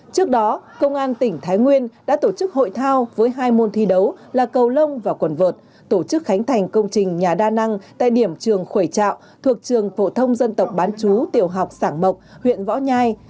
trước đó công an tỉnh thái nguyên đã tổ chức hội thao với hai môn thi đấu là cầu lông và quần vợt tổ chức khánh thành công trình nhà đa năng tại điểm trường khuẩy trạo thuộc trường phổ thông dân tộc bán chú tiểu học sảng mộc huyện võ nhai